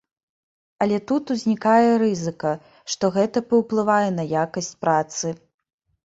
Але тут узнікае рызыка, што гэта паўплывае на якасць працы.